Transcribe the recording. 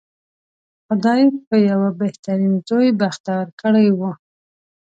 خدای په یوه بهترین زوی بختور کړی و.